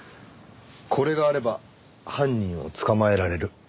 これがあれば犯人を捕まえられる。